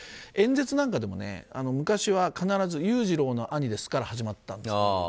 演説なんかでも、昔は必ず裕次郎の兄ですから始まったんです。